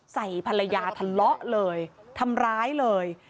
ใส่ภรรยาทะเลาะเลยทำร้ายเลย